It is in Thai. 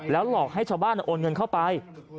หลอกให้ชาวบ้านโอนเงินเข้าไป